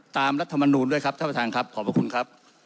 รัฐมนูลด้วยครับท่านประธานครับขอบพระคุณครับ